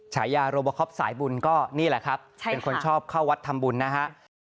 ฉายาโรบอคอปสายบุญก็นี่แหละครับเป็นคนชอบเข้าวัดทำบุญนะฮะ